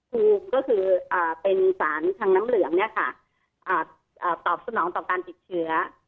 ภูมิก็คืออ่าเป็นสารทางน้ำเหลืองเนี้ยค่ะอ่าอ่าต่อสนองต่อการติดเชื้อ